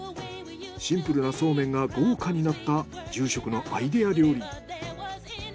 シンプルなそうめんが豪華になった住職のアイデア料理。